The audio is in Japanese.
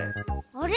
あれ？